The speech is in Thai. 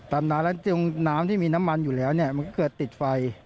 ตามน้ำที่มีน้ำมันอยู่แล้วมันก็เกิดติดไฟ